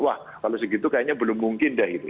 wah kalau segitu kayaknya belum mungkin dah itu